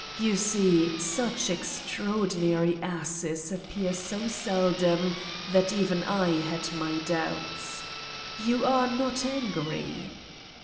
You see, such extraordinary asses appear so seldom that even I had my doubts. You are not angry